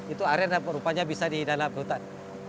itu aren rupanya bisa di dalam hutan